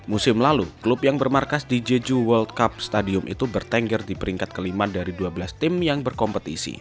musim lalu klub yang bermarkas di jeju world cup stadium itu bertengger di peringkat kelima dari dua belas tim yang berkompetisi